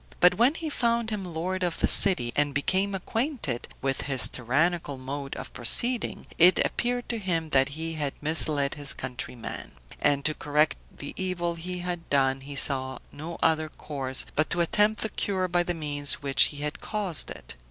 But when he found him lord of the city, and became acquainted with his tyrannical mode of proceeding, it appeared to him that he had misled his countrymen; and to correct the evil he had done, he saw no other course, but to attempt the cure by the means which had caused it.